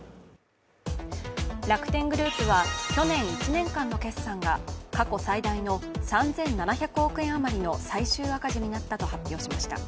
楽天グループは去年１年間の決算が過去最大の３７００億円余りの最終赤字になったと発表しました。